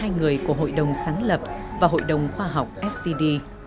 một trong một mươi hai người của hội đồng sáng lập và hội đồng khoa học std